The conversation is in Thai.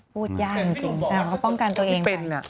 พูดยากจริงเขาป้องกันตัวเองเป็น